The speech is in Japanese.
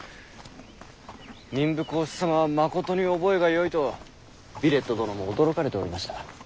民部公子様はまことに覚えがよいとヴィレット殿も驚かれておりました。